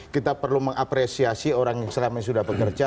kita perlu mengapresiasi orang yang selama ini sudah bekerja